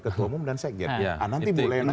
ketua umum dan sekjen nanti bu lena